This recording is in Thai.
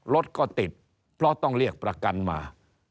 รถก็ติดเพราะต้องเรียกประกันมา